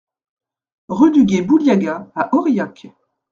Rue du Gué Bouliaga à Aurillac